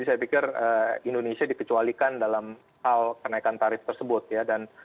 eee indonesia dikecualikan dalam hal kenaikan tarif tersebut ya dan